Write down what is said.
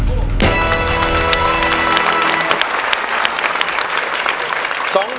สวัสดีครับ